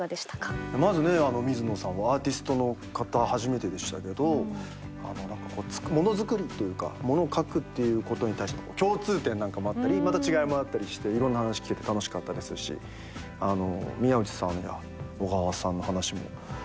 まずね水野さんはアーティストの方初めてでしたけど何か物作りというか物を書くっていうことに対して共通点なんかもあったりまた違いもあったりしていろんな話聞けて楽しかったですし宮内さんや小川さんの話も何かすごく面白かったです。